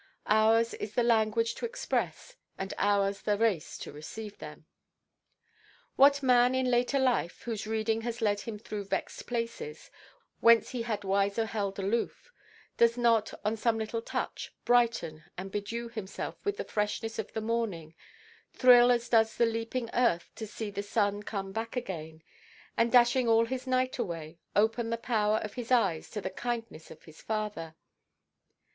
Ours is the language to express; and ours the race to receive them. What man, in later life, whose reading has led him through vexed places—whence he had wiser held aloof—does not, on some little touch, brighten, and bedew himself with the freshness of the morning, thrill as does the leaping earth to see the sun come back again, and, dashing all his night away, open the power of his eyes to the kindness of his Father?